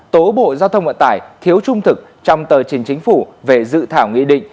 tố bộ giao thông vận tải thiếu trung thực trong tờ trình chính phủ về dự thảo nghị định